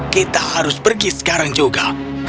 kita harus pergi sekarang juga